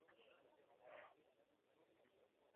buni esda tutish lozim.